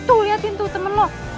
tuh liatin tuh temen lo